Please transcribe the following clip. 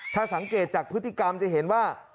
ถ้าสังเกตจากพฤติกรรมจะเห็นว่า